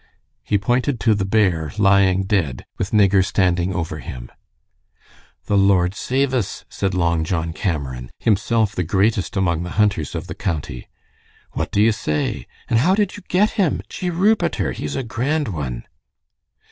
He pointed to the bear lying dead, with Nigger standing over him. "The Lord save us!" said Long John Cameron, himself the greatest among the hunters of the county. "What do you say? And how did you get him? Jee ru piter! he's a grand one."